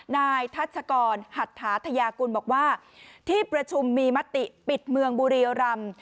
นายทัชกรหัตถาธยากุลบอกว่าที่ประชุมมีมติปิดเมืองบุรียรำ